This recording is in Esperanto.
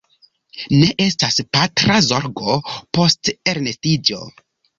Ne estas patra zorgo post elnestiĝo.